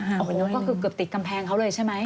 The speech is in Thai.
โอ้โหก็คือเกือบติดกำแพงเขาเลยใช่ไหม